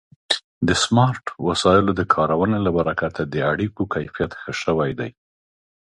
د سمارټ وسایلو د کارونې له برکته د اړیکو کیفیت ښه شوی دی.